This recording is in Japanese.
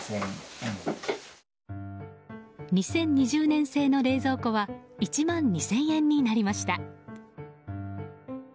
２０２０年製の冷蔵庫は１万２０００円になりました。